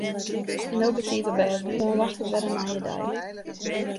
En no betiid op bêd want moarn wachtet wer in nije dei.